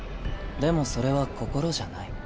でもそれは心じゃない。